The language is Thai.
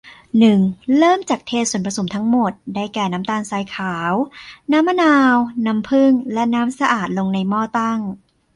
หนึ่ง เริ่มจากเทส่วนผสมทั้งหมด ได้แก่ น้ำตาลทรายขาว น้ำมะนาว น้ำผึ้ง และน้ำสะอาด ลงในหม้อตั้ง